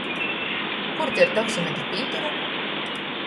Kur te ir taksometru pītura?